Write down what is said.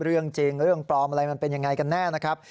เรื่องจริงเรื่องปลอมอะไรมันเป็นยังไงกันแน่นะครับ